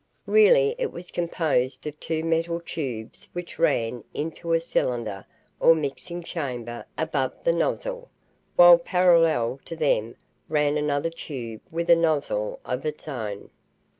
Really it was composed of two metal tubes which ran into a cylinder or mixing chamber above the nozzle, while parallel to them ran another tube with a nozzle of its own.